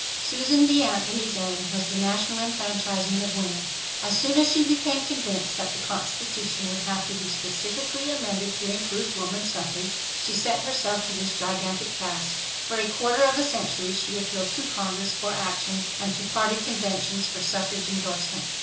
Susan B. Anthony's aim was the national enfranchisement of women. As soon as she became convinced that the constitution would have to be specifically amended to include woman suffrage, she set herself to this gigantic task. For a quarter of a century she appealed to Congress for action and to party. conventions for suffrage endorsement.